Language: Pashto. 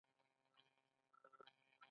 د نجونو تعلیم د جنسي تاوتریخوالي مخه نیسي.